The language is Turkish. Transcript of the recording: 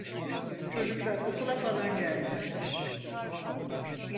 Çocuklar okula falan gelmezler.